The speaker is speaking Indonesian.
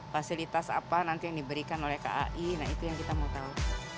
fasilitas apa nanti yang diberikan oleh kai nah itu yang kita mau tahu